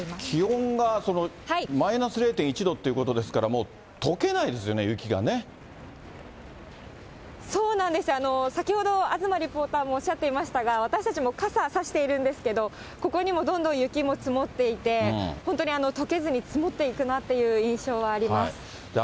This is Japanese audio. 気温がマイナス０．１度ということですから、とけないですよそうなんです、先ほど、東リポーターもおっしゃっていましたが、私たちも傘差しているんですけれども、ここにもどんどん雪も積もっていて、本当にとけずに積もっていくなという印象はあります。